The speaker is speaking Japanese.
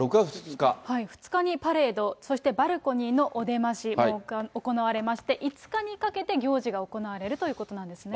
２日にパレード、そしてバルコニーのお出ましが行われまして、５日にかけて行事が行われるということなんですね。